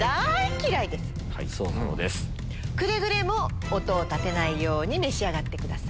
くれぐれも音を立てないように召し上がってください。